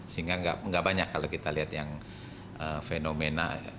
sehingga nggak banyak kalau kita lihat yang fenomena